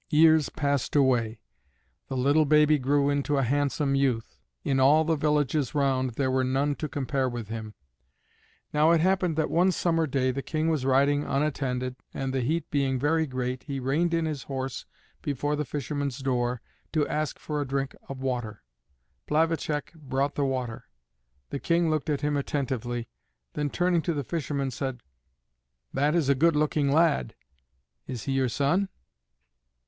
Years passed away. The little baby grew into a handsome youth; in all the villages round there were none to compare with him. Now it happened that one summer day the King was riding unattended, and the heat being very great he reined in his horse before the fisherman's door to ask for a drink of water. Plavacek brought the water. The King looked at him attentively, then turning to the fisherman, said, "That is a good looking lad; is he your son?"